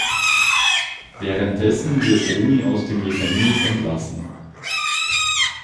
Währenddessen wird Omi aus dem Gefängnis entlassen.